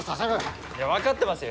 分かってますよ。